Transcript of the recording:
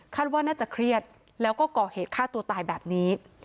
ว่าน่าจะเครียดแล้วก็ก่อเหตุฆ่าตัวตายแบบนี้